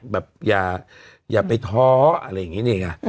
แบบอย่าไปท้ออะไรอย่างนี้นี่ไง